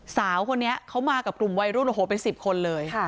สาวคนนี้เขามากับกลุ่มวัยรุ่นโอ้โหเป็น๑๐คนเลย